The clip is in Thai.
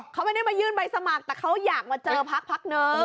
เขาไม่ได้มายื่นใบสมัครแต่เขาอยากมาเจอพักพักนึง